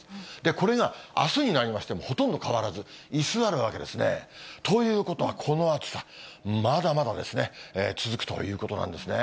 これがあすになりましてもほとんど変わらず、居座るわけですね。ということはこの暑さ、まだまだですね、続くということなんですね。